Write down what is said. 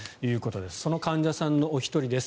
その患者さんの１人です。